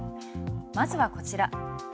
まずはこちら。